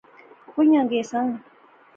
کوئیاں گیساں؟